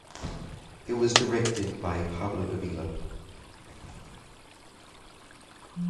It was directed by Pablo Davila.